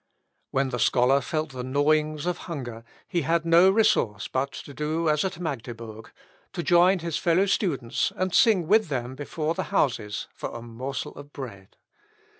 When the scholar felt the gnawings of hunger he had no resource but to do as at Magdebourg, to join his fellow students, and sing with them before the houses for a morsel of bread.